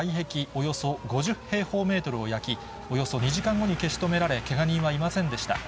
およそ５０平方メートルを焼き、およそ２時間後に消し止められ、けが人はいませんでした。